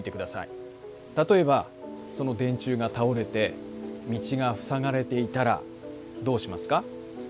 例えばその電柱が倒れて道が塞がれていたらどうしますか？